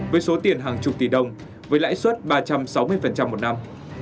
với số tiền hàng chục tỷ đồng với lãi suất ba trăm sáu mươi một năm